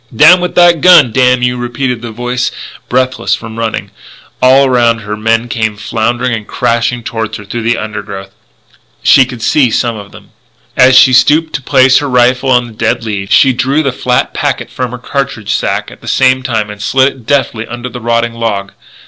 "Down with that gun, damn you!" repeated the voice, breathless from running. All around her men came floundering and crashing toward her through the undergrowth. She could see some of them. As she stooped to place her rifle on the dead leaves, she drew the flat packet from her cartridge sack at the same time and slid it deftly under a rotting log.